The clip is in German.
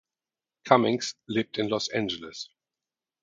Cummings lebt in Los Angeles.